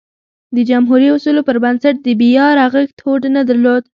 د جمهوري اصولو پربنسټ د بیا رغښت هوډ نه درلود.